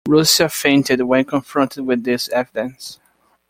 Rusia fainted when confronted with this evidence.